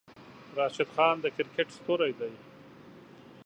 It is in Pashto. راشد خان د کرکیټ ستوری دی.